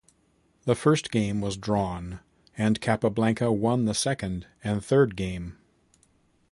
The first game was drawn and Capablanca won the second and third game.